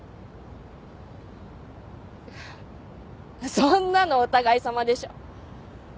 そんなのお互いさまでしょ。